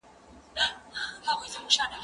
دا چپنه له هغه پاکه ده،